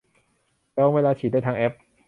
จองเวลาฉีดได้ทางแอป